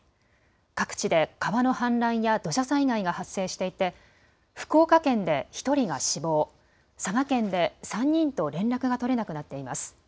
各地で川の氾濫や土砂災害が発生していて福岡県で１人が死亡佐賀県で３人と連絡が取れなくなっています。